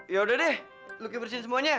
ya udah deh lo kipersihin semuanya